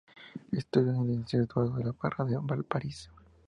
Estudió en el Liceo Eduardo de la Barra de Valparaíso.